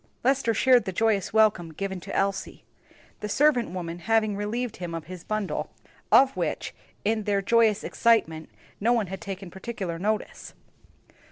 Lester shared the joyous welcome given to Elsie; the servant woman having relieved him of his bundle, of which, in their joyous excitement, no one had taken particular notice.